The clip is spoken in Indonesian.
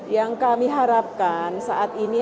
yang kami harapkan saat ini